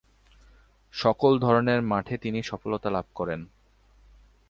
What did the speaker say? সকল ধরনের মাঠে তিনি সফলতা লাভ করেন।